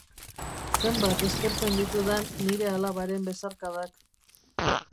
Zenbat eskertzen ditudan nire alabaren besarkadak